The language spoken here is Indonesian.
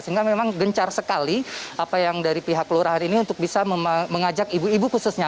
sehingga memang gencar sekali apa yang dari pihak kelurahan ini untuk bisa mengajak ibu ibu khususnya